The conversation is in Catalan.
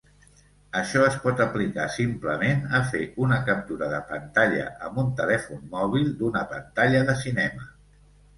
Això es pot aplicar simplement a fer una captura de pantalla amb un telèfon mòbil d'una pantalla de cinema.